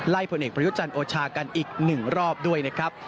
ผลเอกประยุจันทร์โอชากันอีก๑รอบด้วยนะครับ